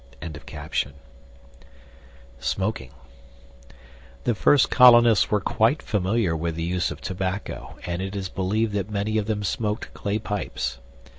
] SMOKING The first colonists were quite familiar with the use of tobacco, and it is believed that many of them smoked clay pipes.